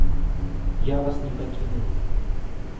Я вас не пакіну.